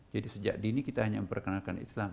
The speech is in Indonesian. jadi sejak dini kita hanya memperkenalkan islam